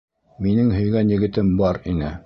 Минең һөйгән егетем бар ине.